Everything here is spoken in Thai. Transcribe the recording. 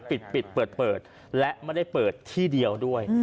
ปิดปิดเปิดและไม่ได้เปิดที่เดียวด้วย